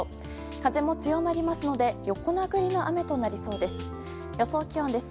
風も強まりますので横殴りの雨となりそうです。